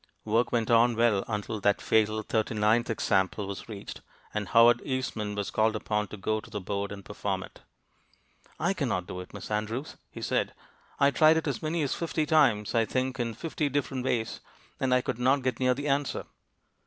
Work went on well until that fatal thirty ninth example was reached, and Howard Eastman was called upon to go to the board and perform it. "I cannot do it, Miss Andrews," he said, "I tried it as many as fifty times, I think, in fifty different ways, and I could not get near the answer."